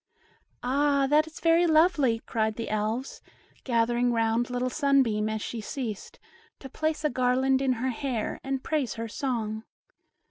"Ah, that is very lovely," cried the Elves, gathering round little Sunbeam as she ceased, to place a garland in her hair and praise her song.